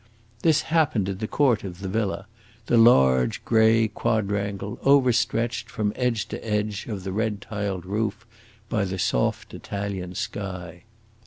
This happened in the court of the villa the large gray quadrangle, overstretched, from edge to edge of the red tiled roof, by the soft Italian sky.